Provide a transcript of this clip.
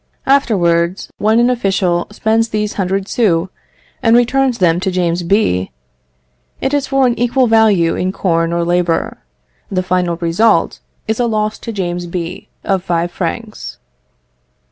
Afterwards, when an official spends these hundred sous, and returns them to James B., it is for an equal value in corn or labour. The final result is a loss to James B. of five francs.